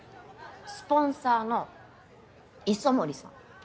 スポンサーの磯森さん。